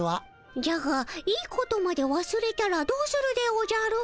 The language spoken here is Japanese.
じゃがいいことまでわすれたらどうするでおじゃる？